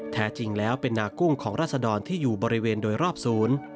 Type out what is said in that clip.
แท้จริงแล้วเป็นนากุ้งของราศดรที่อยู่บริเวณโดยรอบศูนย์